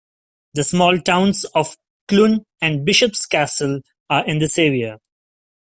The small towns of Clun and Bishop's Castle are in this area.